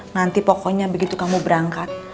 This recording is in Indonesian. nanti pokoknya begitu kamu berangkat